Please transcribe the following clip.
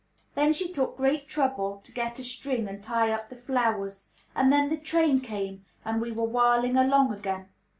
Then she took great trouble to get a string and tie up the flowers, and then the train came, and we were whirling along again.